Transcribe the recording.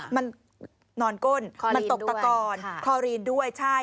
มันนอนก้นมันตกตะกอนคอรีนด้วยใช่